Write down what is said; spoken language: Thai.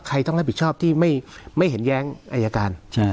ใครต้องรับผิดชอบที่ไม่เห็นแย้งอายการ